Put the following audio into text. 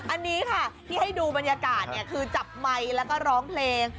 อันนี้ค่ะที่ให้ดูบรรยากาศคือจับไมค์แล้วก็ร้องเพลง